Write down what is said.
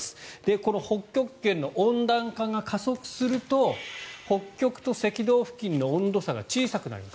この北極圏の温暖化が加速すると北極と赤道付近の温度差が小さくなります。